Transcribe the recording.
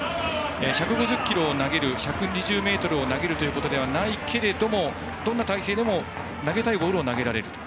１５０キロを投げる１２０ｍを投げるというわけではないがどんな体勢でも投げたいボールを投げられる。